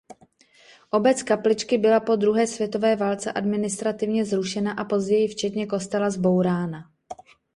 Obec Kapličky byla po druhé světové válce administrativně zrušena a později včetně kostela zbourána.